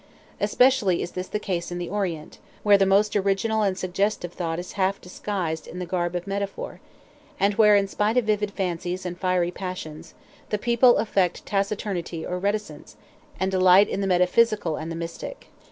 Especially is this the case in the Orient, where the most original and suggestive thought is half disguised in the garb of metaphor, and where, in spite of vivid fancies and fiery passions, the people affect taciturnity or reticence, and delight in the metaphysical and the mystic.